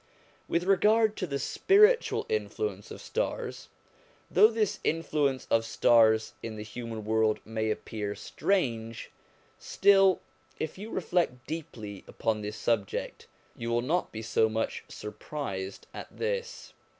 With regard to the spiritual influence of stars, though this influence of stars in the human world may appear strange, still, if you reflect deeply upon this subject, you will not be so much surprised at it.